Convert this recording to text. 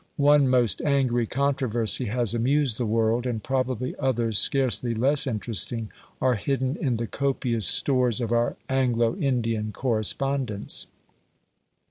One most angry controversy has amused the world, and probably others scarcely less interesting are hidden in the copious stores of our Anglo Indian correspondence.